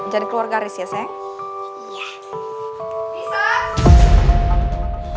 jadi keluargaris ya sayang